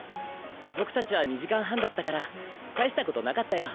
僕たちは２時間半だったからたいしたことなかったよ。